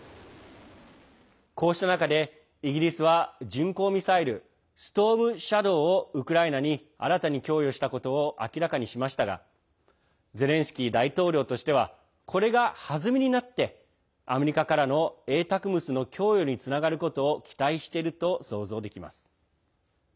こうした中でイギリスは巡航ミサイル「ストームシャドー」をウクライナに新たに供与したことを明らかにしましたがゼレンスキー大統領としてはこれが弾みになってアメリカからの「ＡＴＡＣＭＳ」の供与につながることを期待していると想像できます。